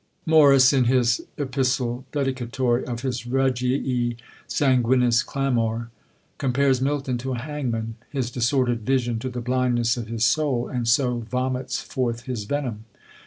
Morus, in his Epistle dedicatory of his Regii Sanguinis Clamor, compares Milton to a hangman; his disordered vision to the blindness of his soul, and so vomits forth his venom.